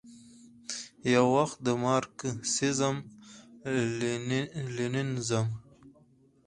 یووخت د مارکسیزم، لیننزم،